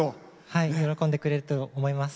はい、喜んでくれると思います。